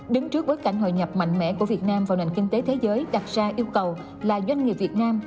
đứng trước bối cảnh hội nhập mạnh mẽ của việt nam vào nền kinh tế thế giới đặt ra yêu cầu là doanh nghiệp việt nam